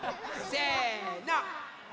せの！